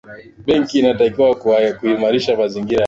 benki inatakiwa kuhimarisha mazingira ya soko